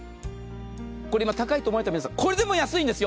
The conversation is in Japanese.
高いと思われた皆さん、これでも安いんですよ。